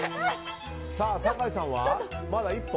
酒井さんはまだ１本？